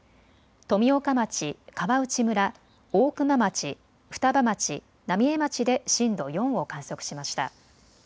富岡町、川内村、大熊町、双葉町、浪江町で震度４を観測しました。